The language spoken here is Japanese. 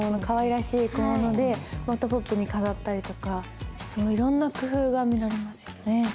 かわいらしい小物でポップに飾ったりとかいろんな工夫が見られますよね。